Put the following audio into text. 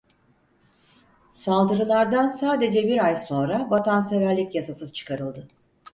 Saldırılardan sadece bir ay sonra Vatanseverlik Yasası çıkarıldı.